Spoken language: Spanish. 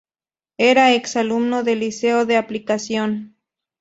Era ex alumno del Liceo de Aplicación.